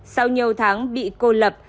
sau nhiều tháng bị cô lập